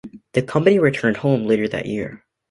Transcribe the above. The Company returned home later that year.